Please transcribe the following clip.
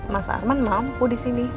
mas arman mampu disini